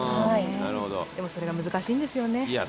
でも、それが難しいんですよね。